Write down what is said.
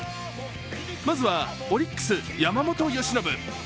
まずはオリックス・山本由伸。